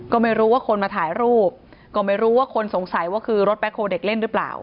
ก็ไม่รู้ว่าคนมาถ่ายรูปก็ไม่รู้ว่าคนสงสัยว่าคือรถแคลเด็กเล่นหรือเปล่า